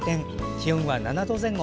気温は７度前後。